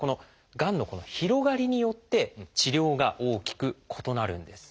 がんの広がりによって治療が大きく異なるんです。